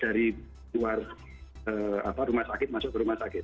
dari luar rumah sakit masuk ke rumah sakit